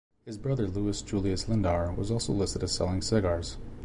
His brother Louis Julius Lindauer was also listed as selling "segars".